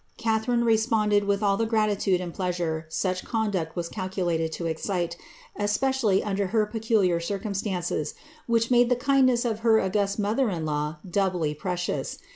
Catharine responded with all the gratitude and pleasure such conduct wns calcu lated to excite, especially under lier peculiar circumstances, which made the kindness of her august mothcr in Iaw doubly precious.